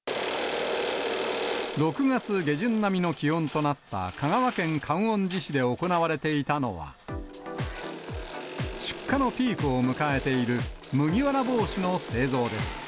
６月下旬並みの気温となった香川県観音寺市で行われていたのは、出荷のピークを迎えている麦わら帽子の製造です。